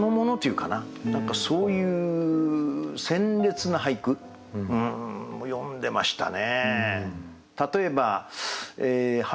そういう鮮烈な俳句も詠んでましたね。